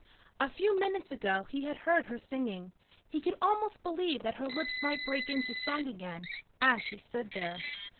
A few minutes ago he had heard her singing. He could almost believe that her lips might break into song again as she stood there.